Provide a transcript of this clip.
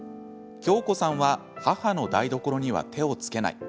恭子さんは母の台所には手をつけない。